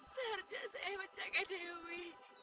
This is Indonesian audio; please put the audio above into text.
seharja saya menjaga dewi